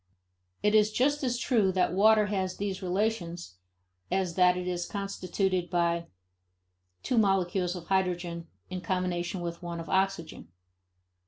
It is just as true that water has these relations as that it is constituted by two molecules of hydrogen in combination with one of oxygen.